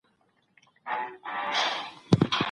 تیاره رنګونه کله ناکله د خفګان ښکارندویي کوي.